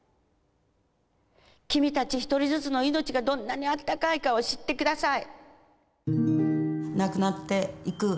君たち一人ずつの命がどんなにあったかいかを知ってください。